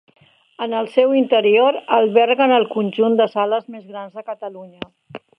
En el seu interior alberguen el conjunt de sales més grans de Catalunya.